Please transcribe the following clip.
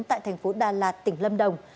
tại thành phố đà lạt tỉnh lâm đồng